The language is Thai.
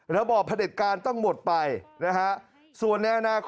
ระบอบประเด็ดการต้องหมดไปนะฮะ